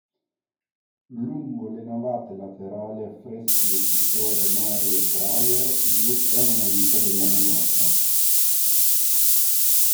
Lungo le navate laterali affreschi del pittore Mario Prayer illustrano la vita della Madonna.